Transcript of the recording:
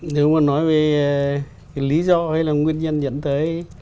nếu mà nói về cái lý do hay là nguyên nhân dẫn tới